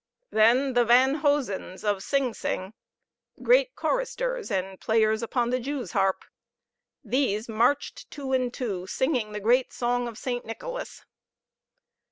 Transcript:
Then the Van Hoesens, of Sing Sing, great choristers and players upon the jewsharp; these marched two and two, singing the great song of St. Nicholas.